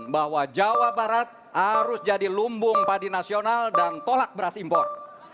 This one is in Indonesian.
bahwa jawa barat harus jadi lumbung padi nasional dan tolak beras impor